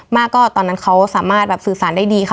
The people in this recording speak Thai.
มากก็ตอนนั้นเขาสามารถแบบสื่อสารได้ดีค่ะ